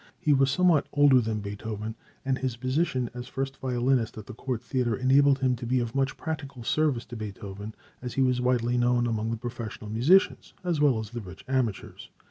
He was somewhat older than Beethoven, and his position as first violinist at the Court Theatre enabled him to be of much practical service to Beethoven, as he was widely known among the professional musicians, as well as the rich amateurs.